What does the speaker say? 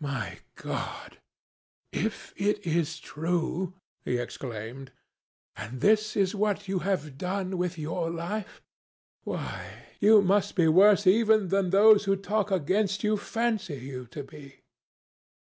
"My God! If it is true," he exclaimed, "and this is what you have done with your life, why, you must be worse even than those who talk against you fancy you to be!"